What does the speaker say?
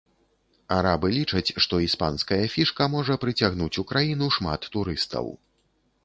Арабы лічаць, што іспанская фішка можа прыцягнуць у краіну шмат турыстаў.